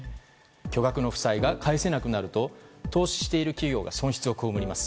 巨額の負債が返せなくなると投資している企業が損失をこうむります。